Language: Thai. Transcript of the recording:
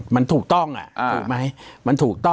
มันถูกต้องอะ